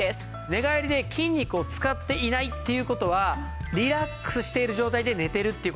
寝返りで筋肉を使っていないっていう事はリラックスしている状態で寝ているっていう事なんですよ。